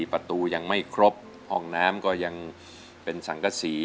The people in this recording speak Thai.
ประตูยังไม่ครบห้องน้ำก็ยังเป็นสังกษี